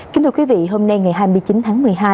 kính thưa quý vị hôm nay ngày hai mươi chín tháng một mươi hai